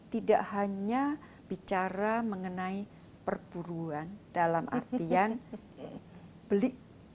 tidak hanya bicara mengenai perburuan dalam artian beli